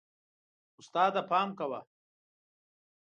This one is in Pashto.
استاده، پام کوه.